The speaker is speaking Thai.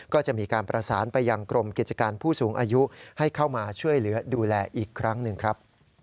ก็จะมีการประสานไปยังกรมกิจการผู้สูงอายุให้เข้ามาช่วยเหลือดูแลอีกครั้งหนึ่งครับ